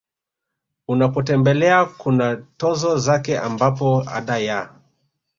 unapotembelea kuna tozo zake ambapo Ada ya